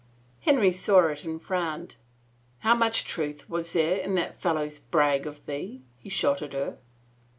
Henry saw it and frowned. " How much truth was there in that fellow's brag of thee ?" he shot at her.